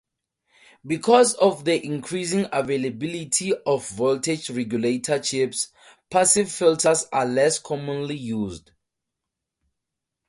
Because of the increasing availability of voltage-regulator chips, passive filters are less commonly used.